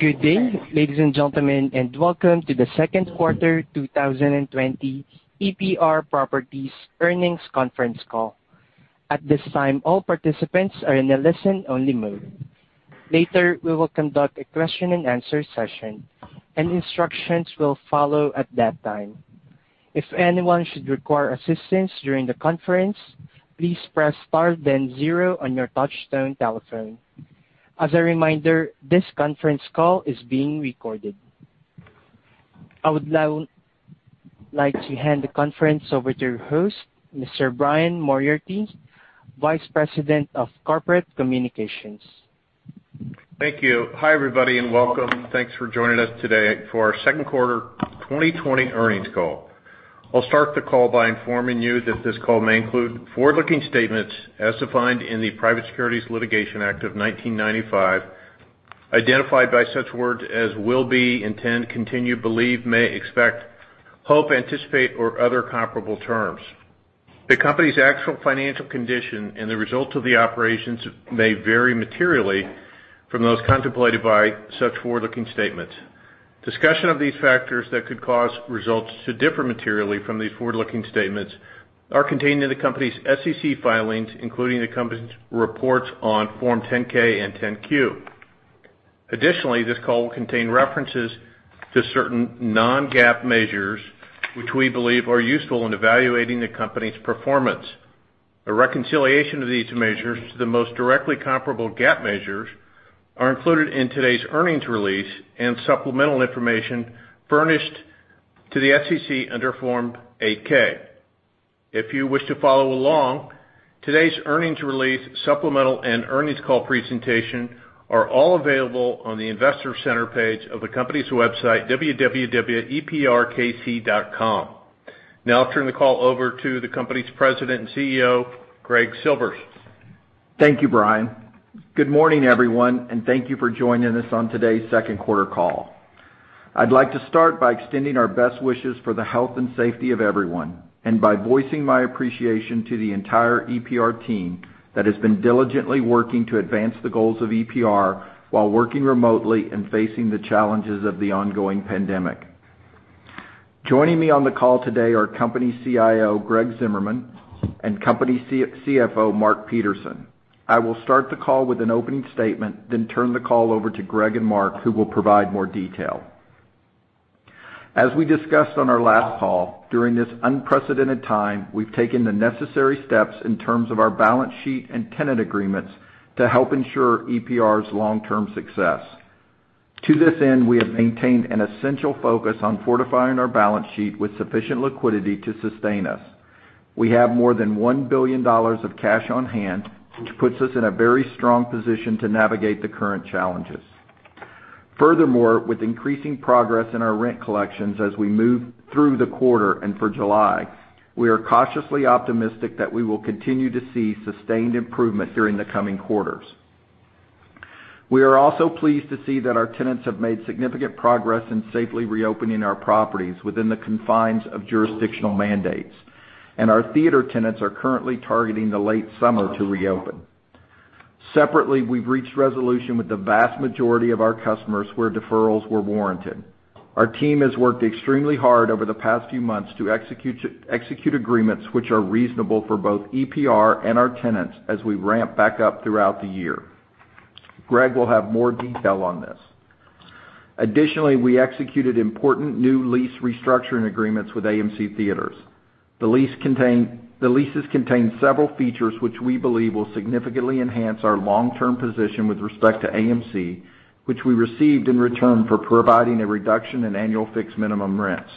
Good day, ladies and gentlemen, and welcome to the Second Quarter 2020 EPR Properties Earnings Conference Call. At this time, all participants are in a listen-only mode. Later, we will conduct a question-and-answer session, and instructions will follow at that time. If anyone should require assistance during the conference, please press star then zero on your touch-tone telephone. As a reminder, this conference call is being recorded. I would now like to hand the conference over to your host, Mr. Brian Moriarty, Vice President of Corporate Communications. Thank you. Hi everybody, and welcome. Thanks for joining us today for our second quarter 2020 earnings call. I'll start the call by informing you that this call may include forward-looking statements as defined in the Private Securities Litigation Reform Act of 1995, identified by such words as will be, intent, continue, believe, may, expect, hope, anticipate, or other comparable terms. The Company's actual financial condition and the results of the operations may vary materially from those contemplated by such forward-looking statements. Discussion of these factors that could cause results to differ materially from these forward-looking statements are contained in the company's SEC filings, including the Company's reports on Form 10-K and 10-Q. Additionally, this call will contain references to certain non-GAAP measures which we believe are useful in evaluating the company's performance. A reconciliation of these measures to the most directly comparable GAAP measures are included in today's earnings release and supplemental information furnished to the SEC under Form 8-K. If you wish to follow along, today's earnings release, supplemental, and earnings call presentation are all available on the Investor Center page of the company's website, www.eprkc.com. Now I'll turn the call over to the company's President and CEO, Greg Silvers. Thank you, Brian. Good morning, everyone, and thank you for joining us on today's second quarter call. I'd like to start by extending our best wishes for the health and safety of everyone, and by voicing my appreciation to the entire EPR team that has been diligently working to advance the goals of EPR while working remotely and facing the challenges of the ongoing pandemic. Joining me on the call today are Company CIO Greg Zimmerman and Company CFO Mark Peterson. I will start the call with an opening statement, then turn the call over to Greg and Mark, who will provide more detail. As we discussed on our last call, during this unprecedented time, we've taken the necessary steps in terms of our balance sheet and tenant agreements to help ensure EPR's long-term success. To this end, we have maintained an essential focus on fortifying our balance sheet with sufficient liquidity to sustain us. We have more than $1 billion of cash on hand, which puts us in a very strong position to navigate the current challenges. With increasing progress in our rent collections as we move through the quarter and for July, we are cautiously optimistic that we will continue to see sustained improvement during the coming quarters. We are also pleased to see that our tenants have made significant progress in safely reopening our properties within the confines of jurisdictional mandates, and our theater tenants are currently targeting the late summer to reopen. Separately, we've reached resolution with the vast majority of our customers where deferrals were warranted. Our team has worked extremely hard over the past few months to execute agreements which are reasonable for both EPR and our tenants as we ramp back up throughout the year. Greg will have more detail on this. Additionally, we executed important new lease restructuring agreements with AMC Theatres. The leases contain several features which we believe will significantly enhance our long-term position with respect to AMC, which we received in return for providing a reduction in annual fixed minimum rents.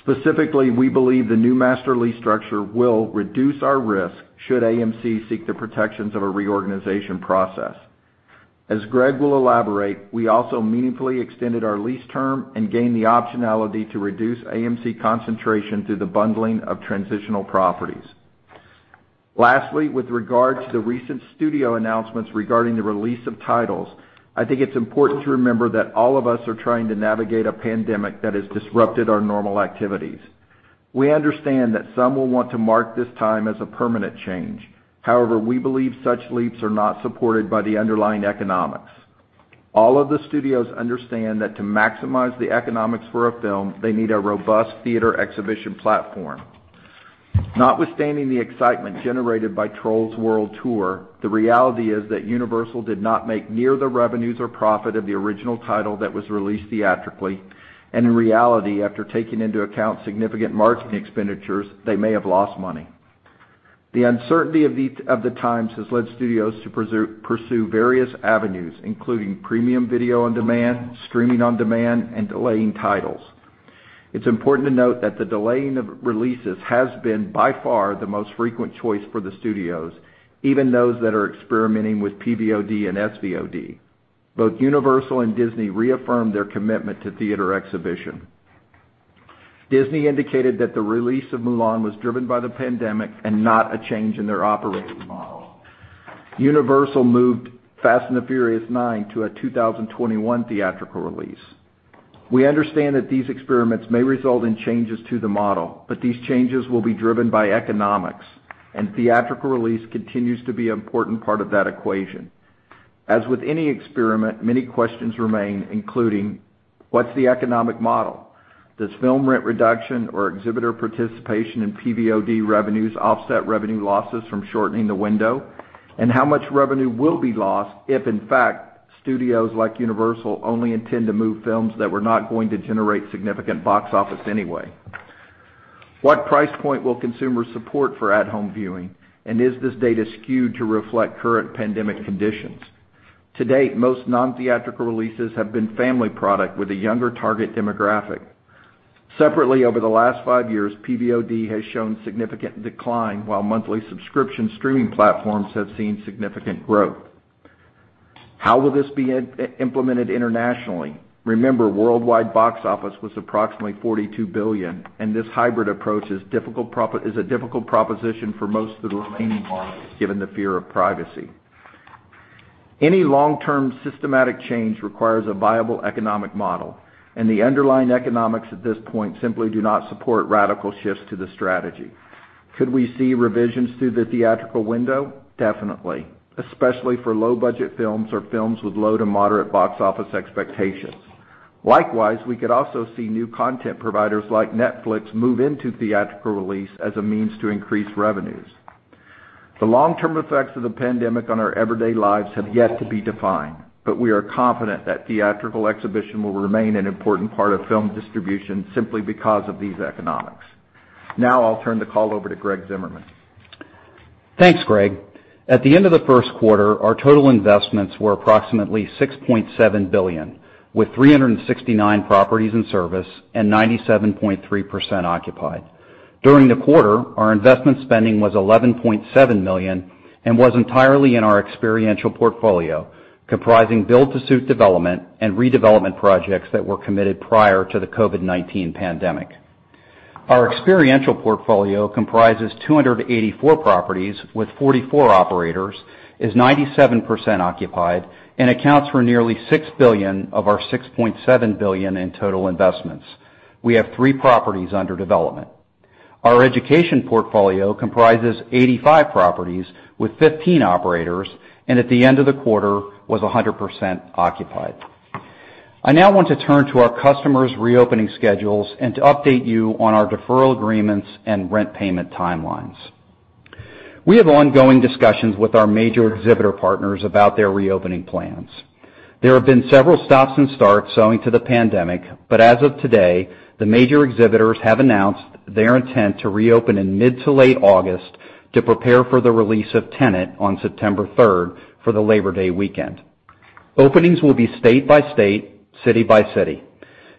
Specifically, we believe the new Master Lease structure will reduce our risk should AMC seek the protections of a reorganization process. As Greg will elaborate, we also meaningfully extended our lease term and gained the optionality to reduce AMC concentration through the bundling of transitional properties. Lastly, with regard to the recent studio announcements regarding the release of titles, I think it's important to remember that all of us are trying to navigate a pandemic that has disrupted our normal activities. We understand that some will want to mark this time as a permanent change. However, we believe such leaps are not supported by the underlying economics. All of the studios understand that to maximize the economics for a film, they need a robust theater exhibition platform. Notwithstanding the excitement generated by "Trolls World Tour," the reality is that Universal did not make near the revenues or profit of the original title that was released theatrically, and in reality, after taking into account significant marketing expenditures, they may have lost money. The uncertainty of the times has led studios to pursue various avenues, including premium video on demand, streaming on demand, and delaying titles. It's important to note that the delaying of releases has been, by far, the most frequent choice for the studios, even those that are experimenting with PVOD and SVOD. Both Universal and Disney reaffirmed their commitment to theater exhibition. Disney indicated that the release of "Mulan" was driven by the pandemic and not a change in their operating model. Universal moved "Fast and Furious 9" to a 2021 theatrical release. We understand that these experiments may result in changes to the model, but these changes will be driven by economics, and theatrical release continues to be an important part of that equation. As with any experiment, many questions remain, including what's the economic model? Does film rent reduction or exhibitor participation in PVOD revenues offset revenue losses from shortening the window? How much revenue will be lost if, in fact, studios like Universal only intend to move films that were not going to generate significant box office anyway? What price point will consumers support for at-home viewing, and is this data skewed to reflect current pandemic conditions? To date, most non-theatrical releases have been family product with a younger target demographic. Separately, over the last five years, PVOD has shown significant decline while monthly subscription streaming platforms have seen significant growth. How will this be implemented internationally? Remember, worldwide box office was approximately $42 billion, and this hybrid approach is a difficult proposition for most of the remaining markets, given the fear of piracy. Any long-term systematic change requires a viable economic model, and the underlying economics at this point simply do not support radical shifts to the strategy. Could we see revisions to the theatrical window? Definitely, especially for low-budget films or films with low to moderate box office expectations. Likewise, we could also see new content providers like Netflix move into theatrical release as a means to increase revenues. The long-term effects of the pandemic on our everyday lives have yet to be defined, but we are confident that theatrical exhibition will remain an important part of film distribution simply because of these economics. Now I'll turn the call over to Greg Zimmerman. Thanks, Greg. At the end of the first quarter, our total investments were approximately $6.7 billion, with 369 properties in service and 97.3% occupied. During the quarter, our investment spending was $11.7 million and was entirely in our Experiential portfolio, comprising build-to-suit development and redevelopment projects that were committed prior to the COVID-19 pandemic. Our Experiential portfolio comprises 284 properties with 44 operators, is 97% occupied, and accounts for nearly $6 billion of our $6.7 billion in total investments. We have three properties under development. Our Education portfolio comprises 85 properties with 15 operators, and at the end of the quarter, was 100% occupied. I now want to turn to our customers' reopening schedules and to update you on our deferral agreements and rent payment timelines. We have ongoing discussions with our major exhibitor partners about their reopening plans. There have been several stops and starts owing to the pandemic. As of today, the major exhibitors have announced their intent to reopen in mid to late August to prepare for the release of Tenet on September 3rd for the Labor Day weekend. Openings will be state by state, city by city.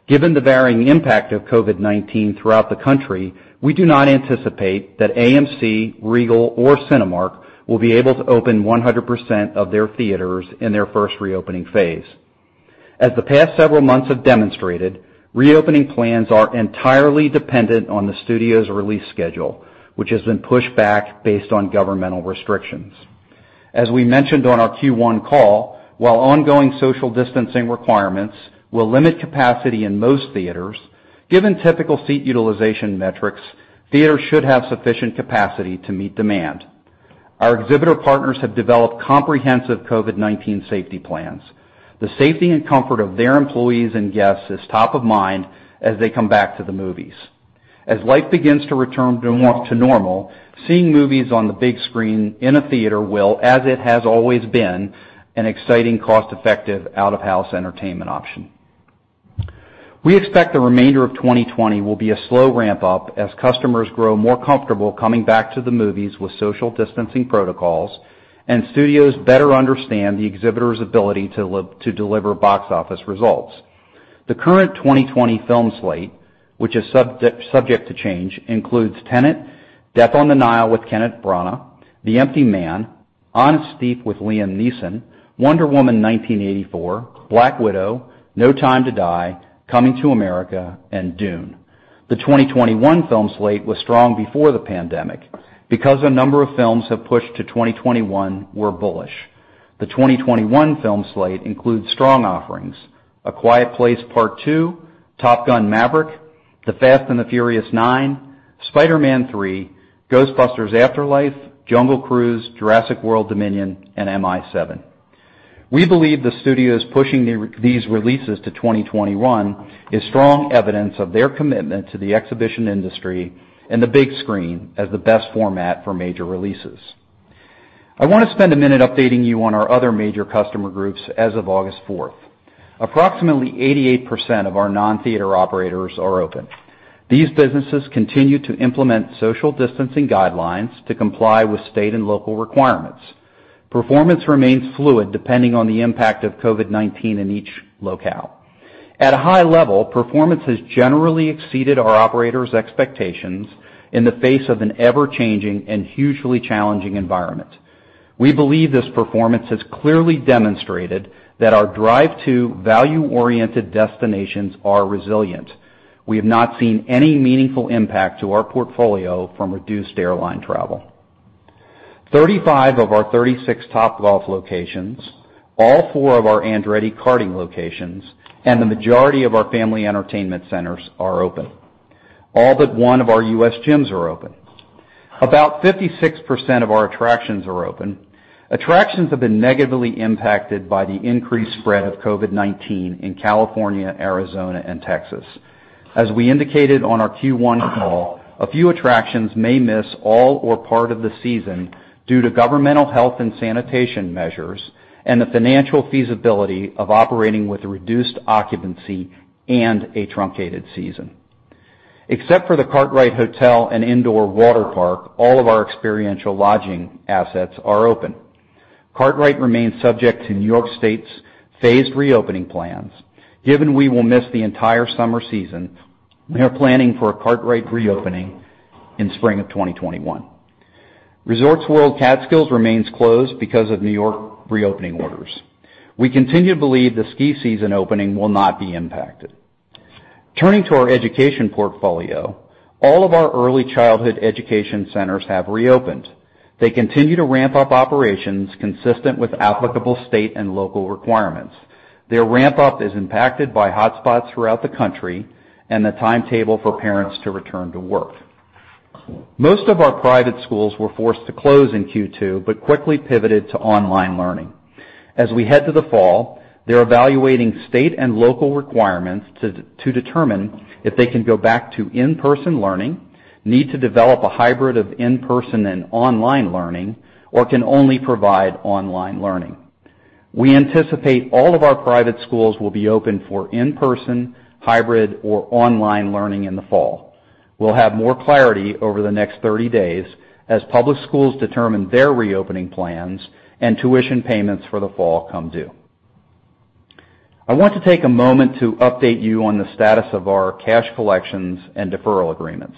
Given the varying impact of COVID-19 throughout the country, we do not anticipate that AMC, Regal, or Cinemark will be able to open 100% of their theaters in their first reopening phase. As the past several months have demonstrated, reopening plans are entirely dependent on the studio's release schedule, which has been pushed back based on governmental restrictions. As we mentioned on our Q1 call, while ongoing social distancing requirements will limit capacity in most theaters, given typical seat utilization metrics, theaters should have sufficient capacity to meet demand. Our exhibitor partners have developed comprehensive COVID-19 safety plans. The safety and comfort of their employees and guests is top of mind as they come back to the movies. As life begins to return to normal, seeing movies on the big screen in a theater will, as it has always been, an exciting, cost-effective, out-of-house entertainment option. We expect the remainder of 2020 will be a slow ramp-up as customers grow more comfortable coming back to the movies with social distancing protocols and studios better understand the exhibitor's ability to deliver box office results. The current 2020 film slate, which is subject to change, includes "Tenet," "Death on the Nile" with Kenneth Branagh, "The Empty Man," "Honest Thief" with Liam Neeson, "Wonder Woman 1984," "Black Widow," "No Time to Die," "Coming 2 America," and "Dune." The 2021 film slate was strong before the pandemic. A number of films have pushed to 2021, we're bullish. The 2021 film slate includes strong offerings, A Quiet Place Part II, Top Gun: Maverick, The Fast and the Furious 9, Spider-Man 3, Ghostbusters: Afterlife, Jungle Cruise, Jurassic World: Dominion, and MI7. We believe the studios pushing these releases to 2021 is strong evidence of their commitment to the exhibition industry and the big screen as the best format for major releases. I want to spend a minute updating you on our other major customer groups as of August 4th. Approximately 88% of our non-theater operators are open. These businesses continue to implement social distancing guidelines to comply with state and local requirements. Performance remains fluid depending on the impact of COVID-19 in each locale. At a high level, performance has generally exceeded our operators' expectations in the face of an ever-changing and hugely challenging environment. We believe this performance has clearly demonstrated that our drive-to value-oriented destinations are resilient. We have not seen any meaningful impact to our portfolio from reduced airline travel. 35 of our 36 Topgolf locations, all four of our Andretti Karting locations, and the majority of our family entertainment centers are open. All but one of our U.S. gyms are open. About 56% of our attractions are open. Attractions have been negatively impacted by the increased spread of COVID-19 in California, Arizona, and Texas. As we indicated on our Q1 call, a few attractions may miss all or part of the season due to governmental health and sanitation measures, and the financial feasibility of operating with reduced occupancy and a truncated season. Except for the Kartrite Hotel & Indoor Waterpark, all of our experiential lodging assets are open. Kartrite remains subject to New York State's phased reopening plans. Given we will miss the entire summer season, we are planning for a Kartrite reopening in spring of 2021. Resorts World Catskills remains closed because of New York reopening orders. We continue to believe the ski season opening will not be impacted. Turning to our education portfolio, all of our early childhood education centers have reopened. They continue to ramp up operations consistent with applicable state and local requirements. Their ramp-up is impacted by hotspots throughout the country and the timetable for parents to return to work. Most of our private schools were forced to close in Q2, but quickly pivoted to online learning. As we head to the fall, they're evaluating state and local requirements to determine if they can go back to in-person learning, need to develop a hybrid of in-person and online learning, or can only provide online learning. We anticipate all of our private schools will be open for in-person, hybrid, or online learning in the fall. We'll have more clarity over the next 30 days as public schools determine their reopening plans and tuition payments for the fall come due. I want to take a moment to update you on the status of our cash collections and deferral agreements.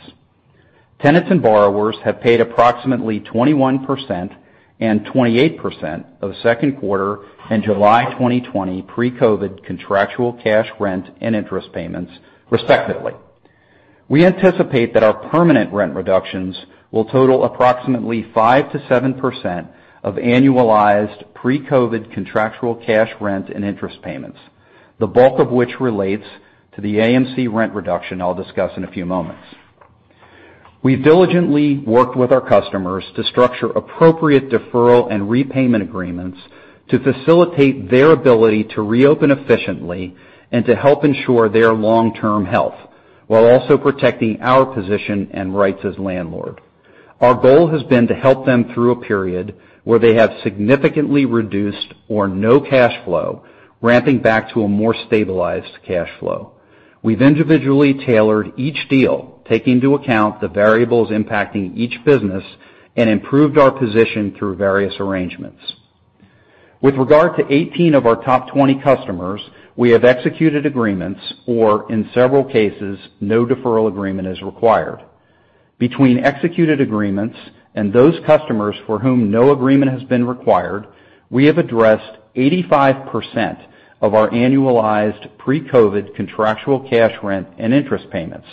Tenants and borrowers have paid approximately 21% and 28% of second quarter and July 2020 pre-COVID contractual cash rent and interest payments, respectively. We anticipate that our permanent rent reductions will total approximately 5%-7% of annualized pre-COVID contractual cash rent and interest payments, the bulk of which relates to the AMC rent reduction I'll discuss in a few moments. We diligently worked with our customers to structure appropriate deferral and repayment agreements to facilitate their ability to reopen efficiently and to help ensure their long-term health, while also protecting our position and rights as landlord. Our goal has been to help them through a period where they have significantly reduced or no cash flow, ramping back to a more stabilized cash flow. We've individually tailored each deal, taking into account the variables impacting each business, and improved our position through various arrangements. With regard to 18 of our top 20 customers, we have executed agreements, or in several cases, no deferral agreement is required. Between executed agreements and those customers for whom no agreement has been required, we have addressed 85% of our annualized pre-COVID contractual cash rent and interest payments.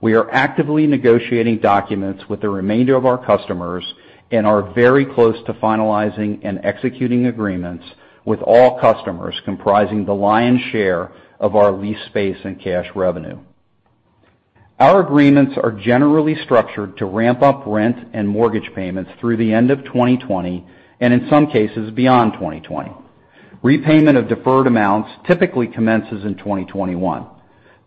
We are actively negotiating documents with the remainder of our customers and are very close to finalizing and executing agreements with all customers comprising the lion's share of our leased space and cash revenue. Our agreements are generally structured to ramp up rent and mortgage payments through the end of 2020, and in some cases, beyond 2020. Repayment of deferred amounts typically commences in 2021.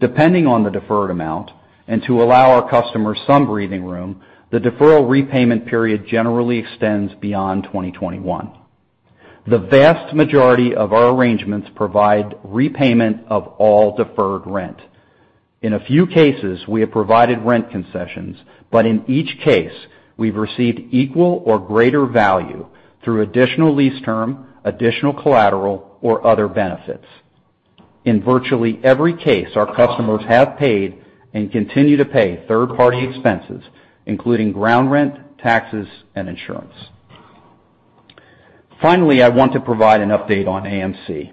Depending on the deferred amount, and to allow our customers some breathing room, the deferral repayment period generally extends beyond 2021. The vast majority of our arrangements provide repayment of all deferred rent. In a few cases, we have provided rent concessions, but in each case, we've received equal or greater value through additional lease term, additional collateral, or other benefits. In virtually every case, our customers have paid and continue to pay third-party expenses, including ground rent, taxes, and insurance. Finally, I want to provide an update on AMC.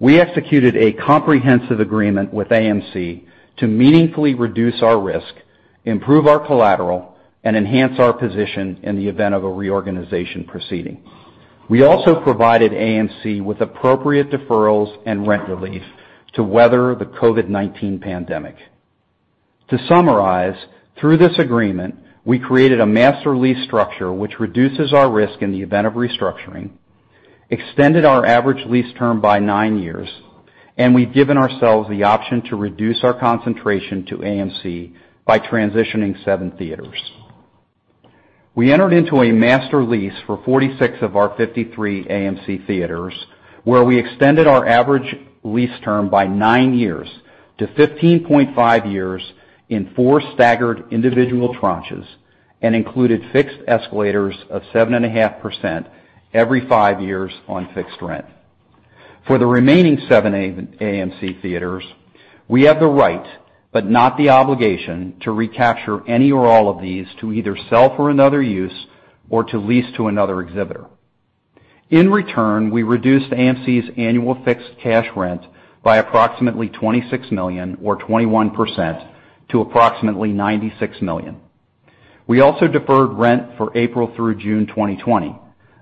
We executed a comprehensive agreement with AMC to meaningfully reduce our risk, improve our collateral, and enhance our position in the event of a reorganization proceeding. We also provided AMC with appropriate deferrals and rent relief to weather the COVID-19 pandemic. To summarize, through this agreement, we created a Master Lease structure which reduces our risk in the event of restructuring, extended our average lease term by nine years, and we've given ourselves the option to reduce our concentration to AMC by transitioning seven theaters. We entered into a Master Lease for 46 of our 53 AMC Theaters, where we extended our average lease term by 9-15.5 years in four staggered individual tranches and included fixed escalators of 7.5% every five years on fixed rent. For the remaining seven AMC Theatres, we have the right, but not the obligation, to recapture any or all of these to either sell for another use or to lease to another exhibitor. In return, we reduced AMC's annual fixed cash rent by approximately $26 million or 21% to approximately $96 million. We also deferred rent for April through June 2020.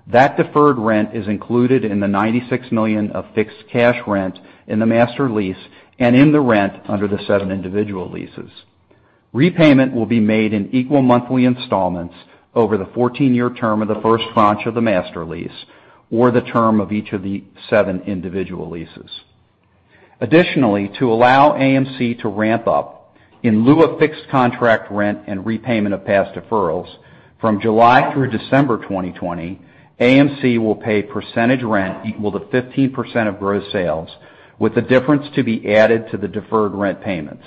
That deferred rent is included in the $96 million of fixed cash rent in the Master Lease and in the rent under the seven individual leases. Repayment will be made in equal monthly installments over the 14-year term of the first tranche of the Master Lease or the term of each of the seven individual leases. Additionally, to allow AMC to ramp up, in lieu of fixed contract rent and repayment of past deferrals from July through December 2020, AMC will pay percentage rent equal to 15% of gross sales, with the difference to be added to the deferred rent payments.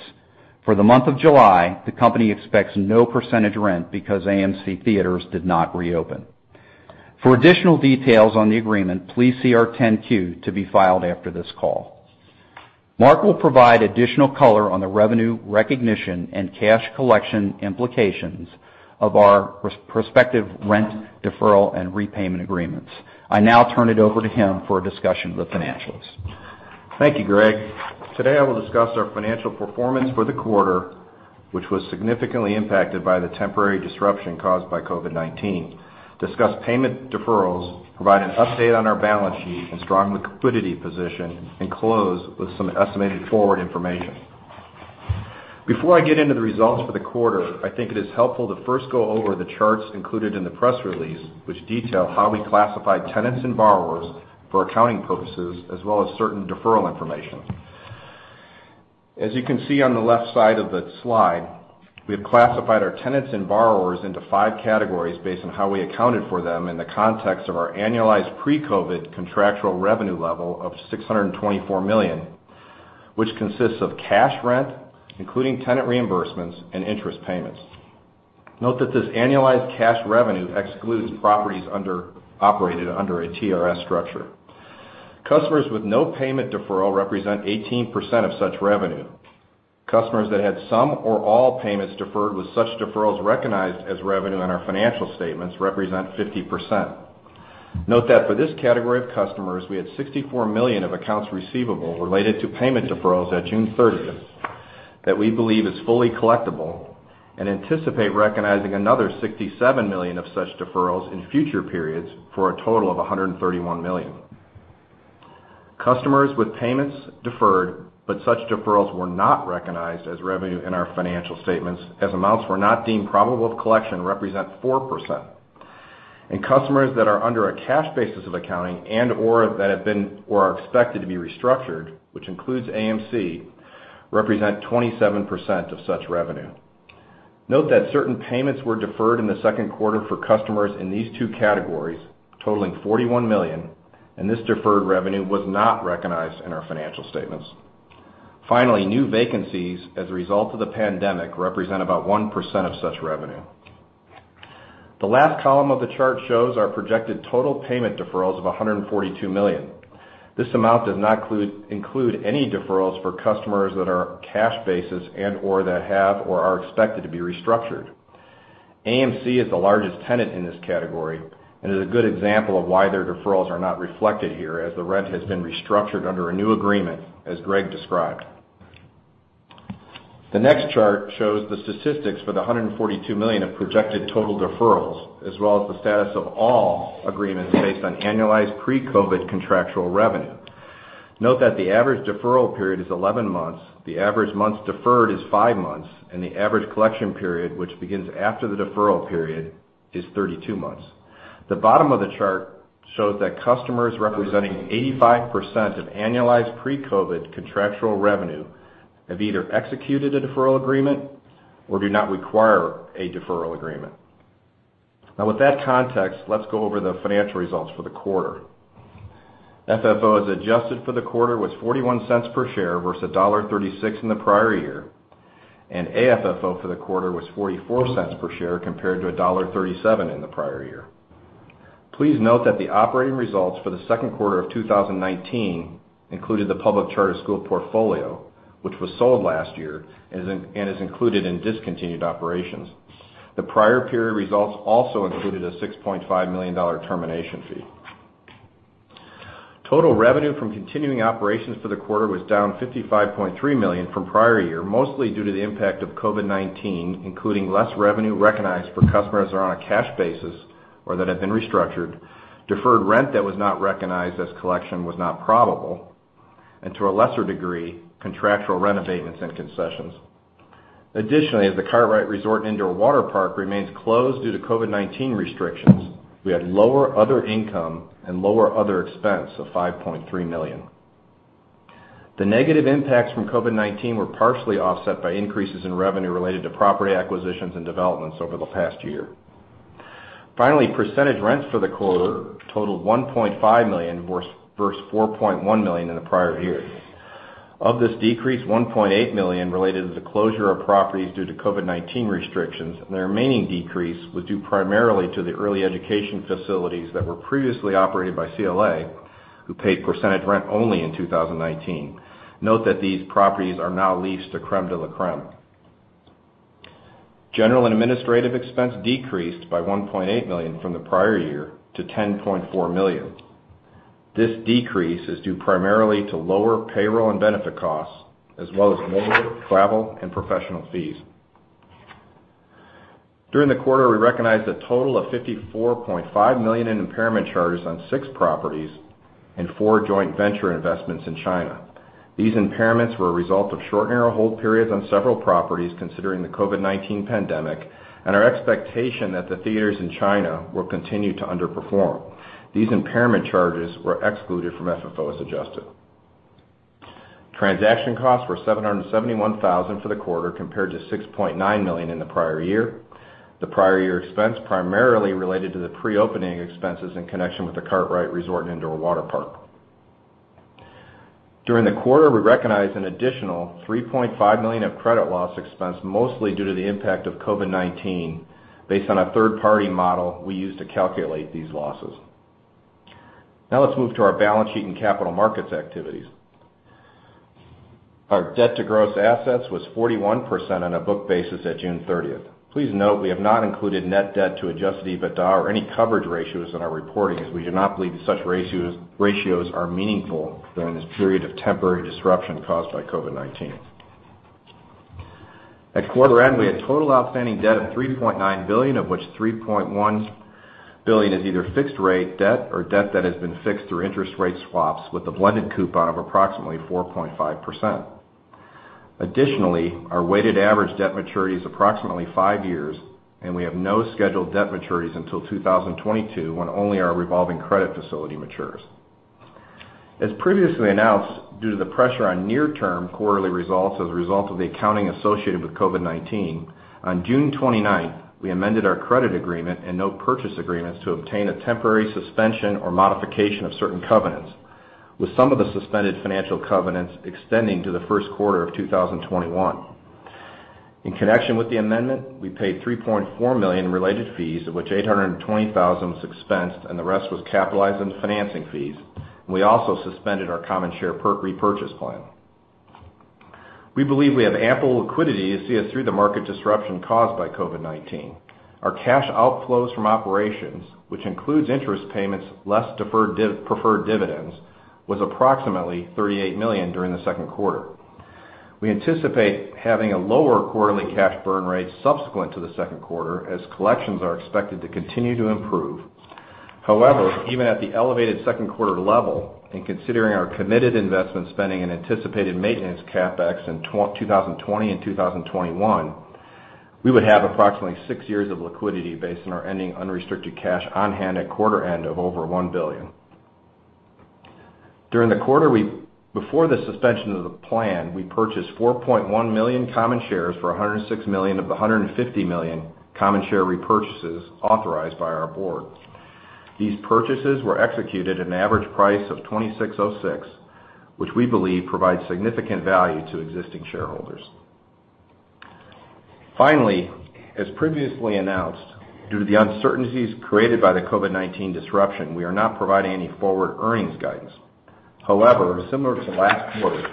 For the month of July, the company expects no percentage rent because AMC Theatres did not reopen. For additional details on the agreement, please see our 10-Q to be filed after this call. Mark will provide additional color on the revenue recognition and cash collection implications of our prospective rent deferral and repayment agreements. I now turn it over to him for a discussion of the financials. Thank you, Greg. Today, I will discuss our financial performance for the quarter, which was significantly impacted by the temporary disruption caused by COVID-19, discuss payment deferrals, provide an update on our balance sheet and strong liquidity position, and close with some estimated forward information. Before I get into the results for the quarter, I think it is helpful to first go over the charts included in the press release, which detail how we classified tenants and borrowers for accounting purposes, as well as certain deferral information. As you can see on the left side of the slide, we have classified our tenants and borrowers into five categories based on how we accounted for them in the context of our annualized pre-COVID contractual revenue level of $624 million, which consists of cash rent, including tenant reimbursements and interest payments. Note that this annualized cash revenue excludes properties operated under a TRS structure. Customers with no payment deferral represent 18% of such revenue. Customers that had some or all payments deferred with such deferrals recognized as revenue on our financial statements represent 50%. Note that for this category of customers, we had $64 million of accounts receivable related to payment deferrals at June 30 that we believe is fully collectible and anticipate recognizing another $67 million of such deferrals in future periods for a total of $131 million. Customers with payments deferred, but such deferrals were not recognized as revenue in our financial statements as amounts were not deemed probable of collection represent 4%. Customers that are under a cash basis of accounting and/or that have been or are expected to be restructured, which includes AMC, represent 27% of such revenue. Note that certain payments were deferred in the second quarter for customers in these two categories, totaling $41 million, and this deferred revenue was not recognized in our financial statements. Finally, new vacancies as a result of the pandemic represent about 1% of such revenue. The last column of the chart shows our projected total payment deferrals of $142 million. This amount does not include any deferrals for customers that are cash basis and/or that have or are expected to be restructured. AMC is the largest tenant in this category and is a good example of why their deferrals are not reflected here, as the rent has been restructured under a new agreement, as Greg described. The next chart shows the statistics for the $142 million of projected total deferrals, as well as the status of all agreements based on annualized pre-COVID contractual revenue. Note that the average deferral period is 11 months, the average months deferred is five months, and the average collection period, which begins after the deferral period, is 32 months. The bottom of the chart shows that customers representing 85% of annualized pre-COVID contractual revenue have either executed a deferral agreement or do not require a deferral agreement. Now with that context, let's go over the financial results for the quarter. FFO, as adjusted for the quarter, was $0.41 per share versus $1.36 in the prior year, and AFFO for the quarter was $0.44 per share compared to $1.37 in the prior year. Please note that the operating results for the second quarter of 2019 included the public charter school portfolio, which was sold last year and is included in discontinued operations. The prior period results also included a $6.5 million termination fee. Total revenue from continuing operations for the quarter was down $55.3 million from prior year, mostly due to the impact of COVID-19, including less revenue recognized for customers that are on a cash basis or that have been restructured, deferred rent that was not recognized as collection was not probable, and to a lesser degree, contractual rent abatements and concessions. As the Kartrite Resort Indoor Waterpark remains closed due to COVID-19 restrictions, we had lower other income and lower other expense of $5.3 million. The negative impacts from COVID-19 were partially offset by increases in revenue related to property acquisitions and developments over the past year. Percentage rents for the quarter totaled $1.5 million versus $4.1 million in the prior year. Of this decrease, $1.8 million related to the closure of properties due to COVID-19 restrictions, and the remaining decrease was due primarily to the early education facilities that were previously operated by CLA, who paid percentage rent only in 2019. Note that these properties are now leased to Creme de la Creme. General and administrative expense decreased by $1.8 million from the prior year to $10.4 million. This decrease is due primarily to lower payroll and benefit costs, as well as lower travel and professional fees. During the quarter, we recognized a total of $54.5 million in impairment charges on six properties and four joint venture investments in China. These impairments were a result of shortening our hold periods on several properties considering the COVID-19 pandemic and our expectation that the theaters in China will continue to underperform. These impairment charges were excluded from FFO as adjusted. Transaction costs were $771,000 for the quarter compared to $6.9 million in the prior year. The prior year expense primarily related to the pre-opening expenses in connection with The Kartrite Resort & Indoor Waterpark. During the quarter, we recognized an additional $3.5 million of credit loss expense, mostly due to the impact of COVID-19 based on a third-party model we use to calculate these losses. Let's move to our balance sheet and capital markets activities. Our debt to gross assets was 41% on a book basis at June 30th. Please note we have not included net debt to adjusted EBITDA or any coverage ratios in our reporting, as we do not believe such ratios are meaningful during this period of temporary disruption caused by COVID-19. At quarter end, we had total outstanding debt of $3.9 billion, of which $3.1 billion is either fixed rate debt or debt that has been fixed through interest rate swaps with a blended coupon of approximately 4.5%. Additionally, our weighted average debt maturity is approximately five years, and we have no scheduled debt maturities until 2022, when only our revolving credit facility matures. As previously announced, due to the pressure on near-term quarterly results as a result of the accounting associated with COVID-19, on June 29th, we amended our credit agreement and note purchase agreements to obtain a temporary suspension or modification of certain covenants, with some of the suspended financial covenants extending to the first quarter of 2021. In connection with the amendment, we paid $3.4 million in related fees, of which $820,000 was expensed and the rest was capitalized in financing fees. We also suspended our common share repurchase plan. We believe we have ample liquidity to see us through the market disruption caused by COVID-19. Our cash outflows from operations, which includes interest payments less preferred dividends, was approximately $38 million during the second quarter. We anticipate having a lower quarterly cash burn rate subsequent to the second quarter as collections are expected to continue to improve. However, even at the elevated second quarter level, and considering our committed investment spending and anticipated maintenance CapEx in 2020 and 2021, we would have approximately six years of liquidity based on our ending unrestricted cash on hand at quarter end of over $1 billion. Before the suspension of the plan, we purchased 4.1 million common shares for $106 million, $150 million common share repurchases authorized by our board. These purchases were executed at an average price of $26.06, which we believe provides significant value to existing shareholders. Finally, as previously announced, due to the uncertainties created by the COVID-19 disruption, we are not providing any forward earnings guidance. Similar to last quarter,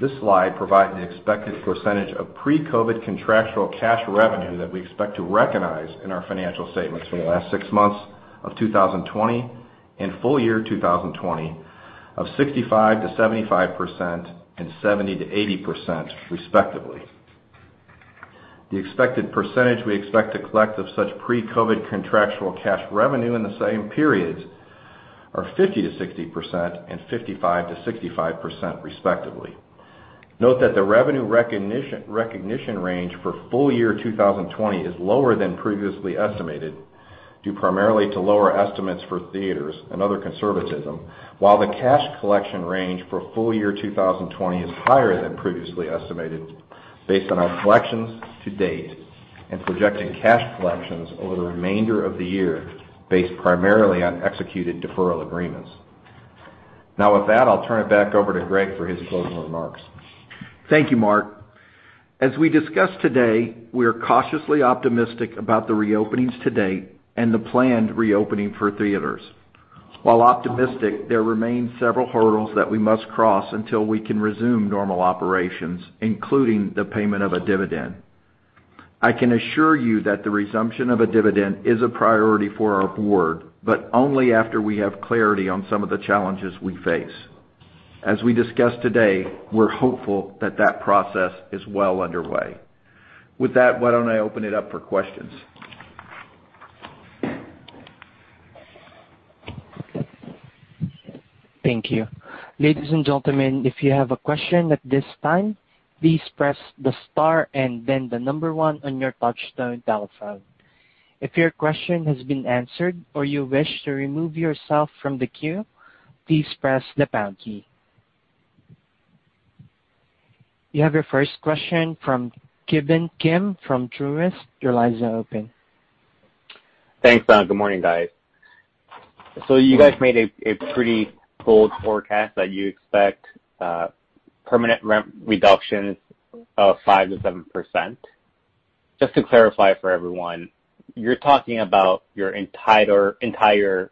this slide provides the expected percentage of pre-COVID contractual cash revenue that we expect to recognize in our financial statements for the last six months of 2020 and full year 2020 of 65%-75% and 70%-80%, respectively. The expected percentage we expect to collect of such pre-COVID contractual cash revenue in the same periods are 50%-60% and 55%-65%, respectively. Note that the revenue recognition range for full year 2020 is lower than previously estimated, due primarily to lower estimates for theaters and other conservatism, while the cash collection range for full year 2020 is higher than previously estimated based on our collections to date and projecting cash collections over the remainder of the year based primarily on executed deferral agreements. Now, with that, I'll turn it back over to Greg for his closing remarks. Thank you, Mark. As we discussed today, we are cautiously optimistic about the reopenings to date and the planned reopening for theaters. While optimistic, there remain several hurdles that we must cross until we can resume normal operations, including the payment of a dividend. I can assure you that the resumption of a dividend is a priority for our board, but only after we have clarity on some of the challenges we face. As we discussed today, we're hopeful that that process is well underway. With that, why don't I open it up for questions? Thank you. Ladies and gentlemen, if you have a question at this time, please press the star and then the number one on your touch-tone telephone. If your question has been answered or you wish to remove yourself from the queue, please press the pound key. You have your first question from Ki Bin Kim from Truist. Your line is now open. Thanks. Good morning, guys. You guys made a pretty bold forecast that you expect permanent rent reductions of 5%-7%. Just to clarify for everyone, you're talking about your entire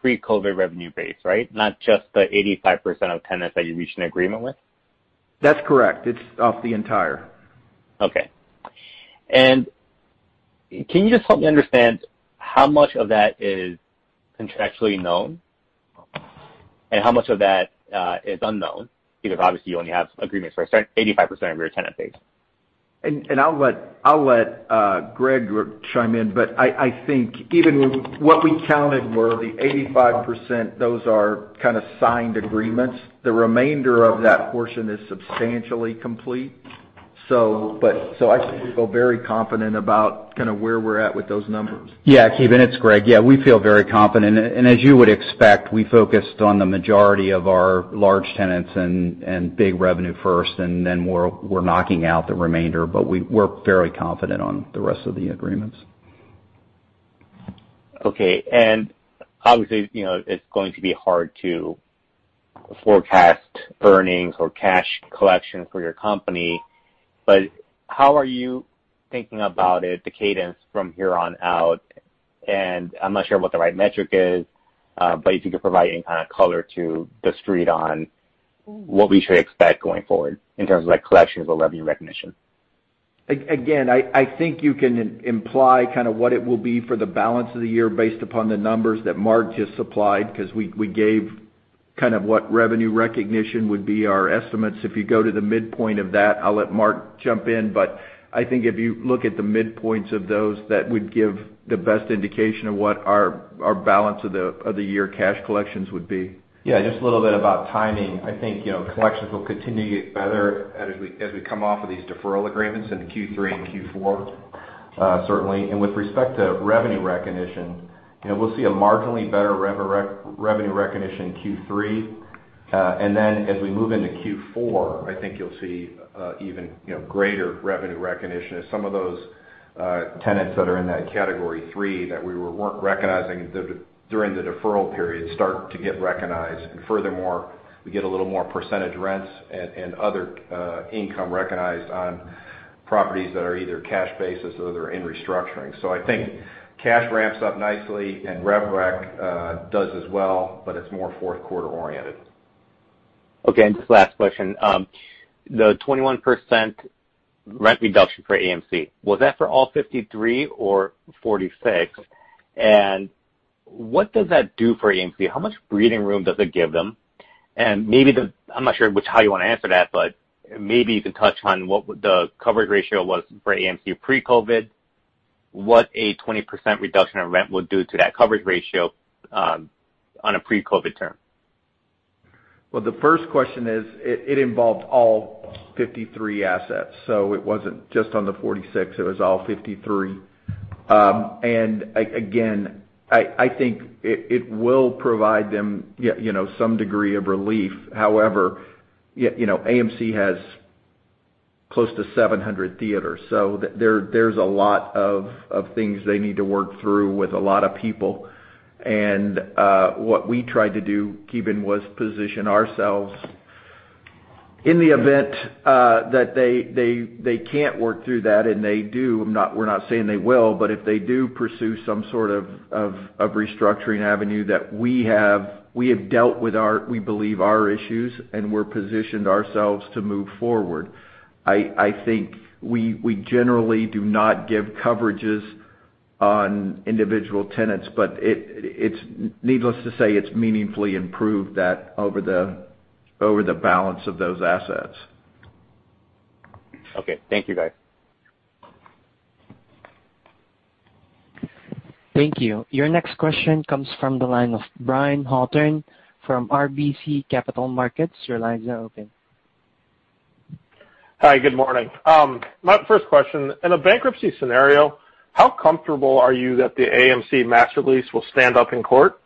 pre-COVID-19 revenue base, right? Not just the 85% of tenants that you reached an agreement with? That's correct. It's off the entire. Okay. Can you just help me understand how much of that is contractually known and how much of that is unknown? Because obviously you only have agreements for 85% of your tenant base. I'll let Greg chime in, but I think even what we counted were the 85%, those are kind of signed agreements. The remainder of that portion is substantially complete. I think we feel very confident about kind of where we're at with those numbers. Yeah, Ki Bin, it's Greg. Yeah, we feel very confident. As you would expect, we focused on the majority of our large tenants and big revenue first, and then we're knocking out the remainder, but we're very confident on the rest of the agreements. Okay. Obviously, it's going to be hard to forecast earnings or cash collection for your company, but how are you thinking about it, the cadence from here on out? I'm not sure what the right metric is, but if you could provide any kind of color to the street on what we should expect going forward in terms of collection of the revenue recognition. Again, I think you can imply kind of what it will be for the balance of the year based upon the numbers that Mark just supplied, because we gave kind of what revenue recognition would be our estimates. If you go to the midpoint of that, I'll let Mark jump in, but I think if you look at the midpoints of those, that would give the best indication of what our balance of the year cash collections would be. Yeah, just a little bit about timing. I think collections will continue to get better as we come off of these deferral agreements into Q3 and Q4, certainly. With respect to revenue recognition, we'll see a marginally better revenue recognition in Q3. As we move into Q4, I think you'll see even greater revenue recognition as some of those tenants that are in that category 3 that we weren't recognizing during the deferral period start to get recognized. Furthermore, we get a little more percentage rents and other income recognized on properties that are either cash basis or that are in restructuring. I think cash ramps up nicely and rev rec does as well, but it's more fourth quarter oriented. Just last question. The 21% rent reduction for AMC, was that for all 53 or 46? What does that do for AMC? How much breathing room does it give them? I'm not sure how you want to answer that, but maybe you can touch on what the coverage ratio was for AMC pre-COVID, what a 20% reduction in rent would do to that coverage ratio on a pre-COVID term. The first question is, it involved all 53 assets. It wasn't just on the 46, it was all 53. Again, I think it will provide them some degree of relief. However, AMC has close to 700 theaters, so there's a lot of things they need to work through with a lot of people. What we tried to do, Ki Bin, was position ourselves in the event that they can't work through that and they do, we're not saying they will, but if they do pursue some sort of restructuring avenue that we have dealt with, we believe, our issues, and we're positioned ourselves to move forward. I think we generally do not give coverages on individual tenants, needless to say, it's meaningfully improved that over the balance of those assets. Okay. Thank you, guys. Thank you. Your next question comes from the line of Brian Hawthorne from RBC Capital Markets. Your line is now open. Hi, good morning. My first question, in a bankruptcy scenario, how comfortable are you that the AMC Master Lease will stand up in court?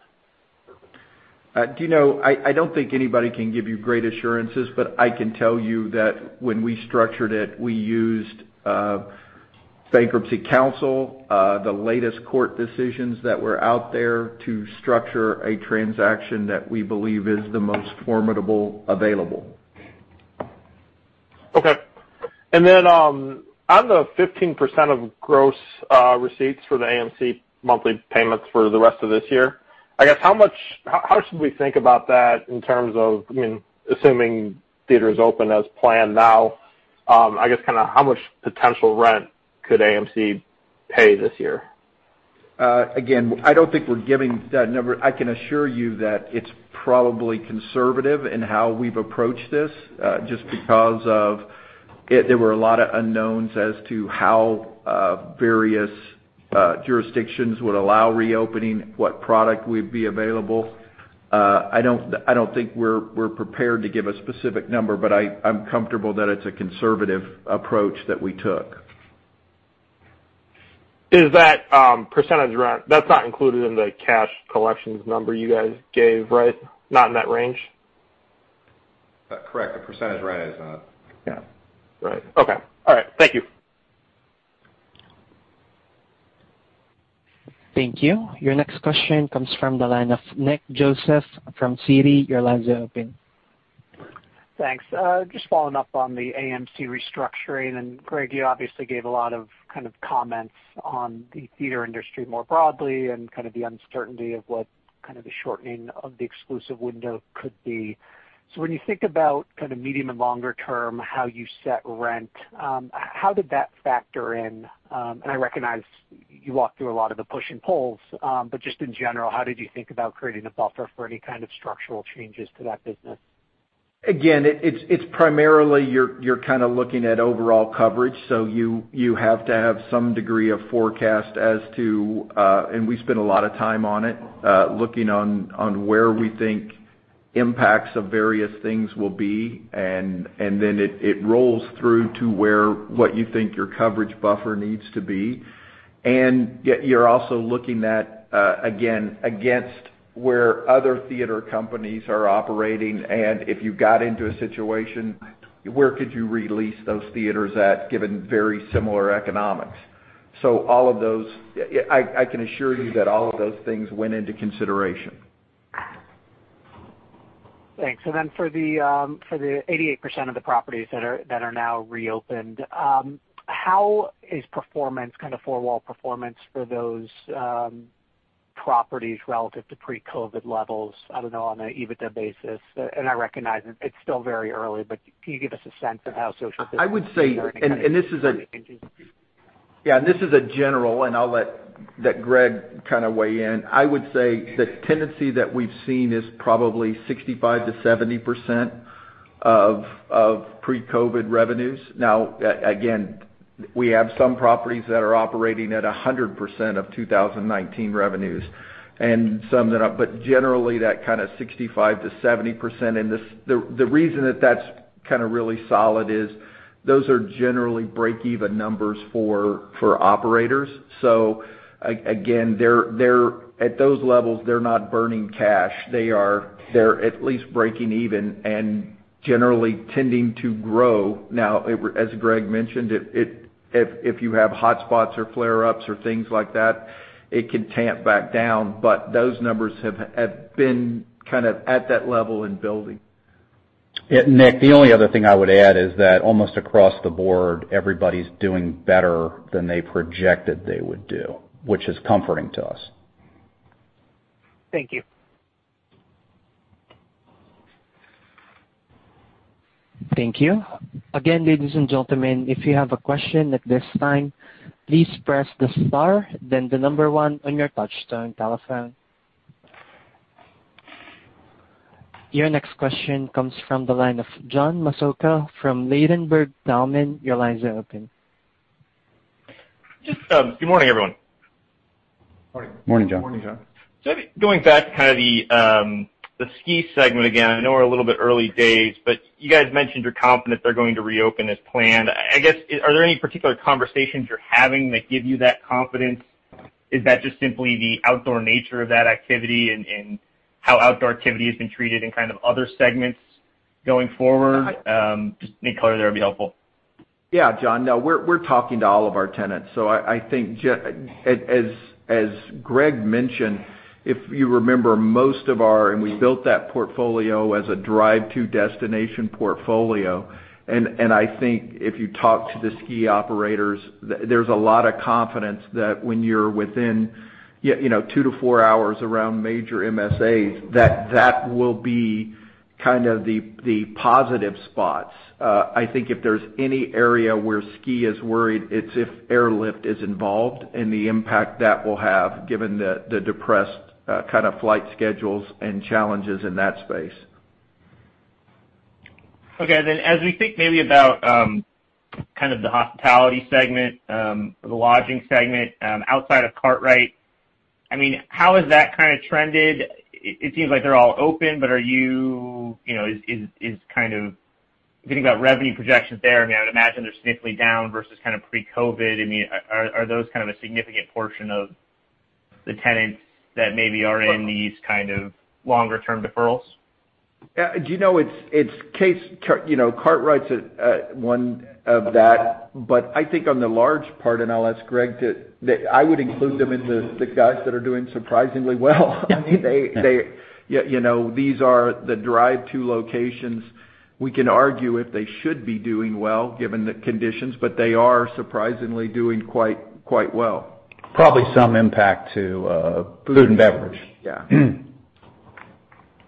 Do you know, I don't think anybody can give you great assurances, but I can tell you that when we structured it, we used bankruptcy counsel, the latest court decisions that were out there to structure a transaction that we believe is the most formidable available. Okay. On the 15% of gross receipts for the AMC monthly payments for the rest of this year, I guess, how should we think about that in terms of, assuming theaters open as planned now, I guess, kind of how much potential rent could AMC pay this year? I don't think we're giving that number. I can assure you that it's probably conservative in how we've approached this, just because of there were a lot of unknowns as to how various jurisdictions would allow reopening, what product would be available. I don't think we're prepared to give a specific number, but I'm comfortable that it's a conservative approach that we took. Is that percentage rent, that's not included in the cash collections number you guys gave, right? Not in that range? Correct. The percentage rent is not. Yeah. Right. Okay. All right. Thank you. Thank you. Your next question comes from the line of Nick Joseph from Citi. Your line is open. Thanks. Just following up on the AMC restructuring, Greg, you obviously gave a lot of kind of comments on the theater industry more broadly and kind of the uncertainty of what kind of the shortening of the exclusive window could be. When you think about kind of medium and longer term, how you set rent, how did that factor in? I recognize you walked through a lot of the push and pulls, but just in general, how did you think about creating a buffer for any kind of structural changes to that business? Again, it's primarily you're kind of looking at overall coverage. You have to have some degree of forecast. We spend a lot of time on it, looking on where we think impacts of various things will be. Then it rolls through to what you think your coverage buffer needs to be. Yet you're also looking that, again, against where other theater companies are operating. If you got into a situation, where could you re-lease those theaters at given very similar economics. I can assure you that all of those things went into consideration. Thanks. For the 88% of the properties that are now reopened, how is kind of four-wall performance for those properties relative to pre-COVID levels, I don't know, on an EBITDA basis? And I recognize it's still very early, but can you give us a sense of how social distancing- I would say- Any kind of changes? Yeah. This is a general, and I'll let Greg kind of weigh in. I would say the tendency that we've seen is probably 65%-70% of pre-COVID revenues. Again, we have some properties that are operating at 100% of 2019 revenues. Generally that kind of 65%-70%. The reason that that's kind of really solid is those are generally break even numbers for operators. Again, at those levels, they're not burning cash. They're at least breaking even and generally tending to grow. As Greg mentioned, if you have hotspots or flare-ups or things like that, it can tamp back down. Those numbers have been kind of at that level and building. Nick, the only other thing I would add is that almost across the board, everybody's doing better than they projected they would do, which is comforting to us. Thank you. Thank you. Again, ladies and gentlemen, if you have a question at this time, please press the star, then the number one on your touch-tone telephone. Your next question comes from the line of John Massocca from Ladenburg Thalmann. Your line is open. Good morning, everyone. Morning. Morning, John. Morning, John. Going back kind of the ski segment again, I know we're a little bit early days, but you guys mentioned you're confident they're going to reopen as planned. I guess, are there any particular conversations you're having that give you that confidence? Is that just simply the outdoor nature of that activity and how outdoor activity has been treated in kind of other segments going forward? Just any color there would be helpful. John. No, we're talking to all of our tenants. I think as Greg mentioned, if you remember we built that portfolio as a drive-to destination portfolio, I think if you talk to the ski operators, there's a lot of confidence that when you're within two to four hours around major MSAs, that that will be kind of the positive spots. I think if there's any area where ski is worried, it's if airlift is involved and the impact that will have given the depressed kind of flight schedules and challenges in that space. As we think maybe about kind of the hospitality segment, the lodging segment, outside of The Kartrite, how has that kind of trended? It seems like they're all open, but is kind of thinking about revenue projections there, I mean, I would imagine they're significantly down versus kind of pre-COVID. I mean, are those kind of a significant portion of the tenants that maybe are in these kind of longer-term deferrals? Kartrite's one of that, but I think on the large part, and I'll ask Greg. I would include them into the guys that are doing surprisingly well. These are the drive-to locations. We can argue if they should be doing well given the conditions, but they are surprisingly doing quite well. Probably some impact to food and beverage. Yeah.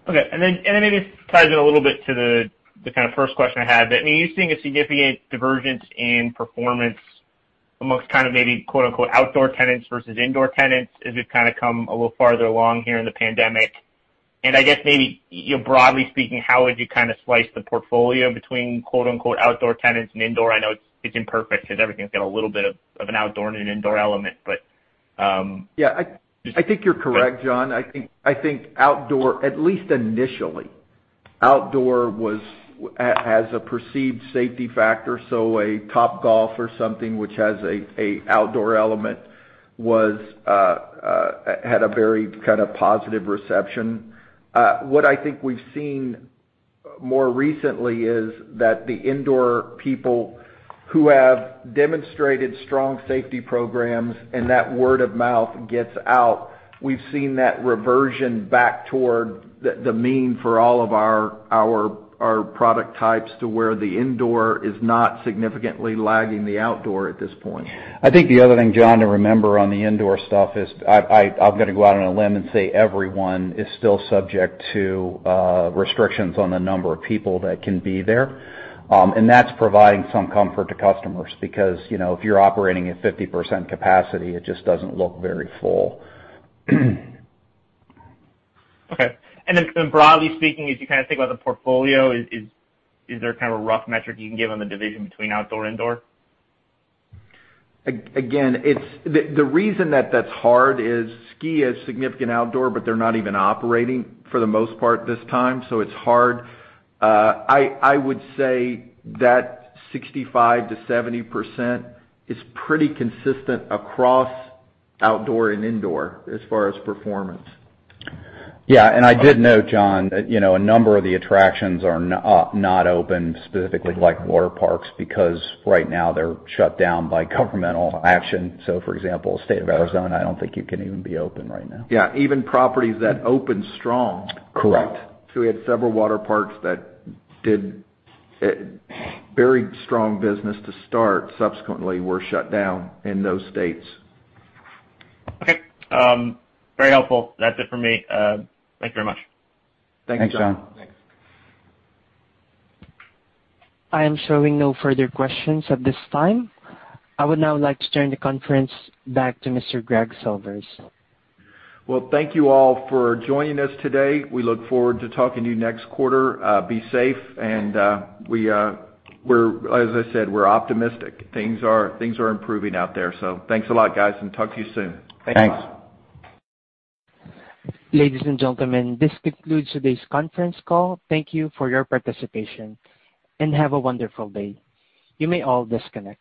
Okay. Then maybe this ties in a little bit to the kind of first question I had. Are you seeing a significant divergence in performance amongst kind of maybe quote unquote "outdoor tenants" versus indoor tenants as we've kind of come a little farther along here in the COVID-19 pandemic? I guess maybe, broadly speaking, how would you kind of slice the portfolio between quote unquote "outdoor tenants" and indoor? I know it's imperfect because everything's got a little bit of an outdoor and an indoor element. Yeah, I think you're correct, John. I think outdoor, at least initially, outdoor has a perceived safety factor. A Topgolf or something which has a outdoor element had a very kind of positive reception. What I think we've seen more recently is that the indoor people who have demonstrated strong safety programs and that word of mouth gets out, we've seen that reversion back toward the mean for all of our product types to where the indoor is not significantly lagging the outdoor at this point. I think the other thing, John, to remember on the indoor stuff is I'm going to go out on a limb and say everyone is still subject to restrictions on the number of people that can be there. That's providing some comfort to customers because if you're operating at 50% capacity, it just doesn't look very full. Okay. Then broadly speaking, as you think about the portfolio, is there a rough metric you can give on the division between outdoor and indoor? The reason that that's hard is ski is significant outdoor, but they're not even operating for the most part this time, so it's hard. I would say that 65%-70% is pretty consistent across outdoor and indoor as far as performance. Yeah. I did note, John, a number of the attractions are not open, specifically like water parks, because right now they're shut down by governmental action. For example, State of Arizona, I don't think you can even be open right now. Yeah. Even properties that opened strong. Correct. We had several water parks that did very strong business to start, subsequently were shut down in those states. Okay. Very helpful. That's it for me. Thank you very much. Thanks, John. Thanks, John. I am showing no further questions at this time. I would now like to turn the conference back to Mr. Gregory Silvers. Well, thank you all for joining us today. We look forward to talking to you next quarter. Be safe and, as I said, we're optimistic. Things are improving out there. Thanks a lot, guys, and talk to you soon. Thanks. Ladies and gentlemen, this concludes today's conference call. Thank you for your participation and have a wonderful day. You may all disconnect.